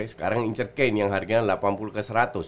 sekarang incer kane yang harganya delapan puluh ke seratus